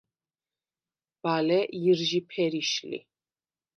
ბალე ჲჷრჟი ფერიშ ლი.